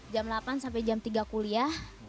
jam delapan sampai jam tiga kuliah